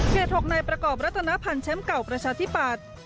๖นายประกอบรัฐนพันธ์แชมป์เก่าประชาธิปัตย์